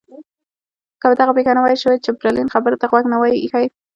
که دغه پېښه نه وای شوې چمبرلاین خبرو ته غوږ نه وای ایښی.